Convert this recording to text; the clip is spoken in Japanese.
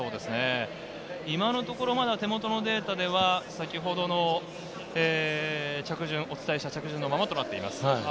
今のところ手元のデータでは、お伝えした着順のままとなっています。